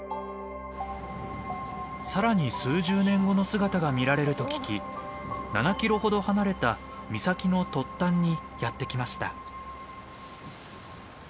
さらに数十年後の姿が見られると聞き７キロほど離れた岬の突端にやって来ました。